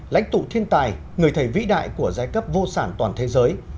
lãnh tụ thiên tài người thầy vĩ đại của giai cấp vô sản toàn thế giới